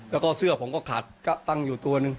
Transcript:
แล้วก็เสื้อผมก็ขาดก็ตั้งอยู่ตัวหนึ่ง